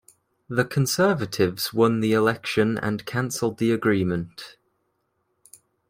The Conservatives won the election and cancelled the agreement.